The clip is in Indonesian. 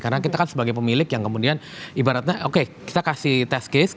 karena kita kan sebagai pemilik yang kemudian ibaratnya oke kita kasih test case